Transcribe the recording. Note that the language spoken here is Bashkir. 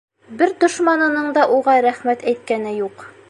Бер дошманының да уға рәхмәт әйткәне юҡ.